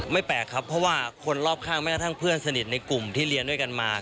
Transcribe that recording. แปลกครับเพราะว่าคนรอบข้างแม้กระทั่งเพื่อนสนิทในกลุ่มที่เรียนด้วยกันมา